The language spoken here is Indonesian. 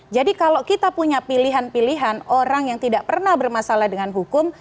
kalau kita punya pilihan pilihan orang yang tidak pernah bermasalah dengan hukum